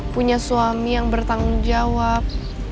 punya suami yang bertanggung jawab